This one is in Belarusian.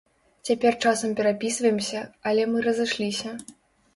Цяпер часам перапісваемся, але мы разышліся.